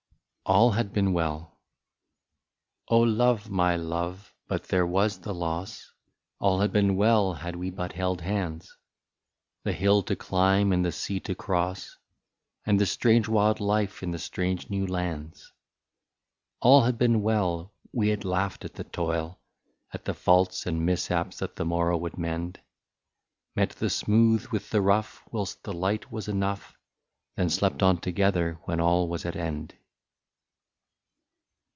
46 ALL HAD BEEN WELL. " Oh ! love, my love — but there was the loss — All had been well, had we but held hands ; The hill to climb, and the sea to cross. And the strange wild life in the strange new lands. "All had been well — we had laughed at the toil, At the faults and mishaps that the morrow would mend, Met the smooth with the rough, whilst the light was enough. Then slept on together when all was at end."